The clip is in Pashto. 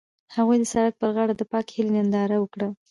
هغوی د سړک پر غاړه د پاک هیلې ننداره وکړه.